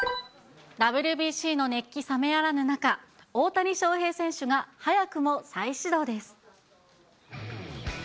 ＷＢＣの熱気冷めやらぬ中、大谷翔平選手が早くも再始動です。